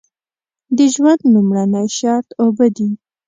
د ژوند لومړنی شرط اوبه دي.